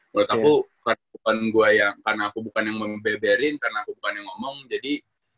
menurut aku karena aku bukan yang membeberin karena aku bukan yang ngomong jadi